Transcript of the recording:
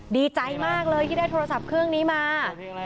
ดีใจมากเลยที่ได้โทรศัพท์เครื่องนี้มา